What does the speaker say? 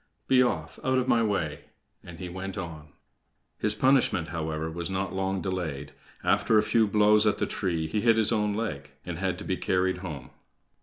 Be off out of my way!" and he went on. His punishment, however, was not long delayed. After a few blows at the tree, he hit his own leg, and had to be carried home.